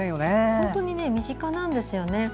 本当に身近なんです。